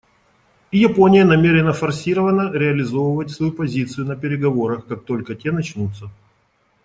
И Япония намерена форсировано реализовывать свою позицию на переговорах, как только те начнутся.